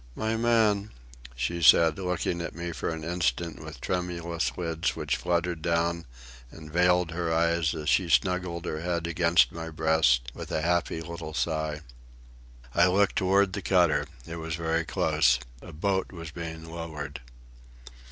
"My man," she said, looking at me for an instant with tremulous lids which fluttered down and veiled her eyes as she snuggled her head against my breast with a happy little sigh. I looked toward the cutter. It was very close. A boat was being lowered.